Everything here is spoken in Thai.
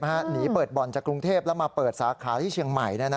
หนีเปิดบ่อนจากกรุงเทพแล้วมาเปิดสาขาที่เชียงใหม่